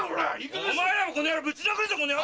お前らもこの野郎ぶち殴るぞこの野郎！